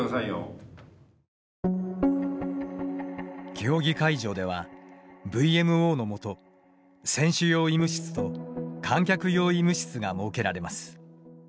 競技会場では、ＶＭＯの下選手用医務室と観客用医務室が設けられます。